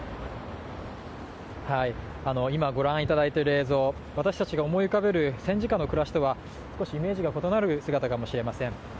今ご覧いただいている映像私たちが思い浮かべる戦時下の暮らしとは少しイメージが異なる姿かもしれません。